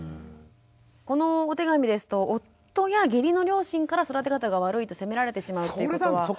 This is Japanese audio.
このお手紙ですと夫や義理の両親から育て方が悪いと責められてしまうということは。